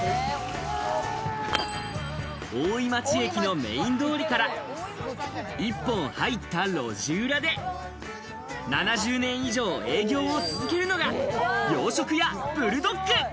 大井町駅のメイン通りから一本入った路地裏で７０年以上営業を続けるのが、洋食屋ブルドック。